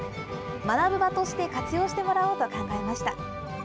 学ぶ場として活用してもらおうと考えました。